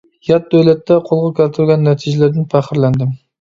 يات دۆلەتتە قولغا كەلتۈرگەن نەتىجىلىرىدىن پەخىرلەندىم.